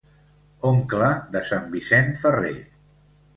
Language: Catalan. Oncle de Sant Vicent Ferrer.